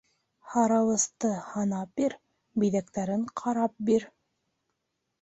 Һарауысты һанап бир, биҙәктәрен ҡарап бир.